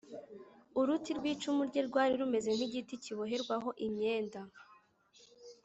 Uruti rw’icumu rye rwari rumeze nk’igiti kiboherwaho imyenda